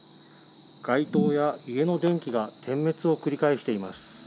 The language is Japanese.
街灯や家の電気が点滅を繰り返しています。